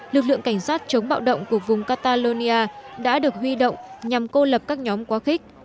lực lượng cảnh sát chống bạo động của vùng catalonia đã được huy động nhằm cô lập các nhóm quá khích